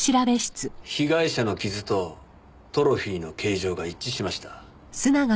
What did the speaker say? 被害者の傷とトロフィーの形状が一致しました。